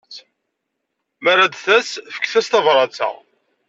Mi ara d-tas, fket-as tabṛat-a.